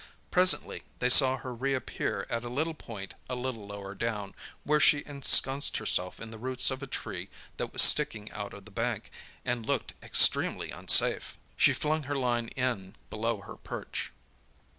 Presently they saw her reappear at a point a little lower down, where she ensconced herself in the roots of a tree that was sticking out of the bank, and looked extremely unsafe. She flung her line in below her perch.